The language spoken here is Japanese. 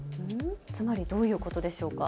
つまり、どういうことですか。